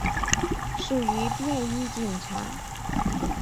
属于便衣警察。